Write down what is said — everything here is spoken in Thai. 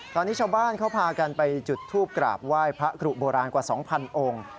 ตอนนี้ชาวบ้านเขาพากันไปจุดทูปกราบไหว้พระกรุโบราณกว่า๒๐๐องค์